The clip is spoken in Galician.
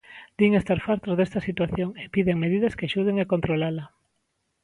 Din estar fartos desta situación, e piden medidas que axuden a controlala.